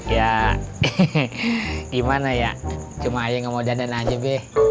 ya gimana ya cuma ayah yang mau dandan aja be